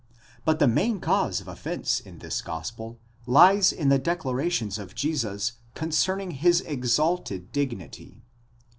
40): but the main cause of offence in this gospel, lies in the declar ations of Jesus concerning his exalted dignity.